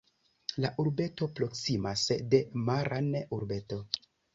La urbeto proksimas de Maran urbeto.